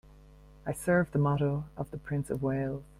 I serve the motto of the Prince of Wales.